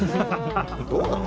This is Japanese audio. どうなの？